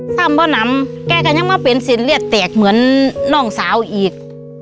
ซ่ำเพราะน้ำแกก็ยังไม่เป็นสินเลียดแตกเหมือนน้องสาวอีก